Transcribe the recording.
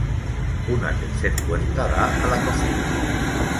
Una tercer puerta da a la cocina.